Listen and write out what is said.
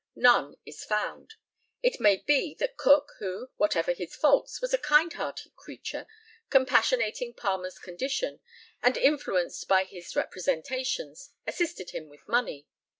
None is found. It may be that Cook, who, whatever his faults, was a kind hearted creature, compassionating Palmer's condition, and influenced by his representations, assisted him with money.